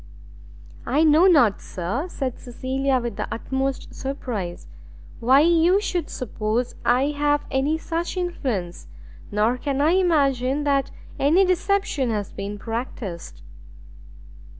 "I know not, Sir," said Cecilia, with the utmost surprise, "why you should suppose I have any such influence; nor can I imagine that any deception has been practiced."